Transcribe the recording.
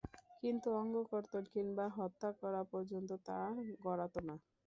কিন্তু অঙ্গ কর্তন কিংবা হত্যা করা পর্যন্ত তা গড়াতো না।